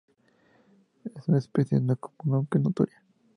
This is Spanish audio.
Es una especie no común aunque notoria.